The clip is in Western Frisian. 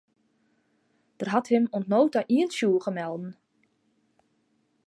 Der hat him oant no ta ien tsjûge melden.